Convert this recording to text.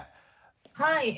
はい。